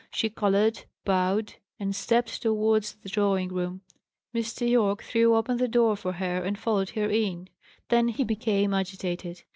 She coloured, bowed, and stepped towards the drawing room. Mr. Yorke threw open the door for her, and followed her in. Then he became agitated.